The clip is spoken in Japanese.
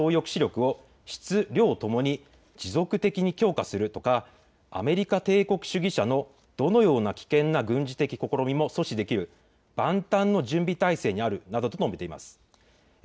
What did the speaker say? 強力な核戦争抑止力を質、量ともに持続的に強化するとかアメリカ帝国主義者のどのような危険な軍事的試みも阻止できる万端の準備態勢にあるなどと述べています。